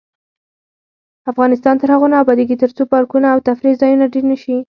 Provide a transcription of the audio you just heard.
افغانستان تر هغو نه ابادیږي، ترڅو پارکونه او تفریح ځایونه ډیر نشي.